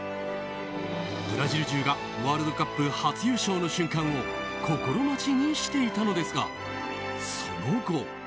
ブラジル中がワールドカップ初優勝の瞬間を心待ちにしていたのですがその後。